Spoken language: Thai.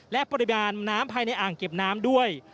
และปริมาณน้ำภายในอ่างเก็บน้ำด้วย